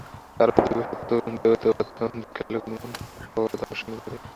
কারণ দ্বৈতবাদ কম-শিক্ষিত লোকের মন স্বভাবতই আকর্ষণ করে।